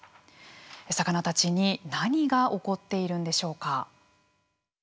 魚たちに何が起こっているんでしょうか？